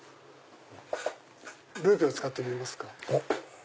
ルーペを使って見ますか？